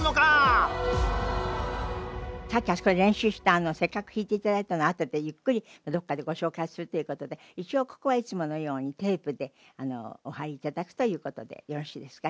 さっきあそこで練習したせっかく弾いて頂いたのあとでゆっくりどこかでご紹介するという事で一応ここはいつものようにテープでお入り頂くという事でよろしいですか？